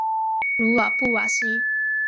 鲁瓦布瓦西。